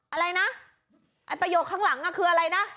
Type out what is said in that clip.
อะไรนะไอ้ประโยคข้างหลังคืออะไรนะ